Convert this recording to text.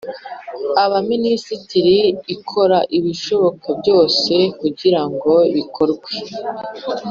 Abaminisitiri ikora ibishoboka byose kugira ngo bikorwe